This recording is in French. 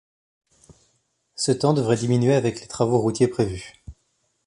Ce temps devrait diminuer avec les travaux routiers prévus.